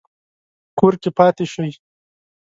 کور کې پاتې شئ